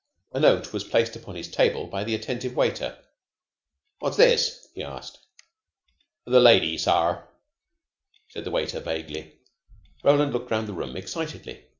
A note was placed upon his table by the attentive waiter. "What's this?" he asked. "The lady, sare," said the waiter vaguely. Roland looked round the room excitedly.